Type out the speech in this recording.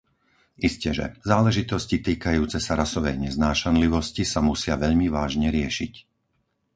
Isteže, záležitosti týkajúce sa rasovej neznášanlivosti sa musia veľmi vážne riešiť.